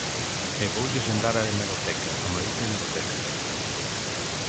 E voulles lembrar a hemeroteca, a maldita hemeroteca.